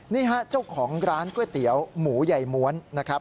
นี่ฮะเจ้าของร้านก๋วยเตี๋ยวหมูใหญ่ม้วนนะครับ